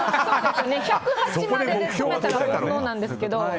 １０８までだったら煩悩なんですけど。